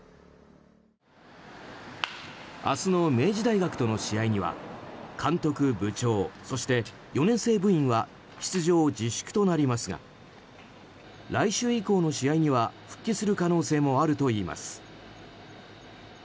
明日の明治大学との試合には監督、部長そして４年生部員は出場自粛となりますが来週以降の試合には復帰する可能性もあるといいます。